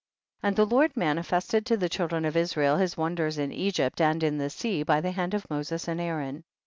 39. And the Lord manifested to the children of Israel his wonders in Egypt and in the sea by the hand of Moses and Aaron.